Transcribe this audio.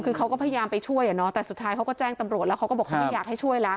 คือเขาก็พยายามไปช่วยแต่สุดท้ายเขาก็แจ้งตำรวจแล้วเขาก็บอกเขาไม่อยากให้ช่วยละ